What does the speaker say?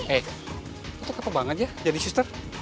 eh itu kacau banget ya jadi suster